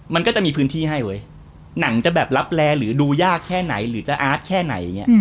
มันก็จะมีพื้นที่ให้เว้ยหนังจะแบบรับแร่หรือดูยากแค่ไหนหรือจะอาร์ตแค่ไหนเนี่ย